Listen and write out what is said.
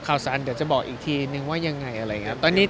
ข่าวสารเดี๋ยวจะบอกอีกทีนึงว่ายังไงอะไรอย่างนี้